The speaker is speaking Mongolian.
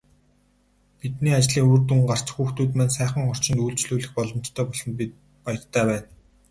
Бидний ажлын үр дүн гарч, хүүхдүүд маань сайхан орчинд үйлчлүүлэх боломжтой болсонд баяртай байна.